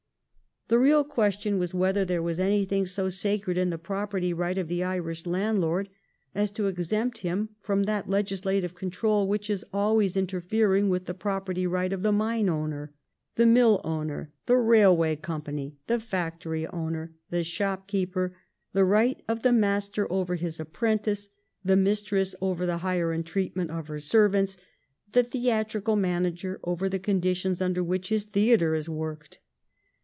The real question was whether there was anything so sacred in the property right of the Irish landlord as to exempt him from that legislative control which is always interfering with the property right of the mine owner, the mill owner, the railway company, the factory owner, the shopkeeper, the right of the master over his ap prentice, the mistress over the hire and treatment of her servants, the theatrical manager over the conditions under which his theatre is worked.